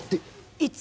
いつ？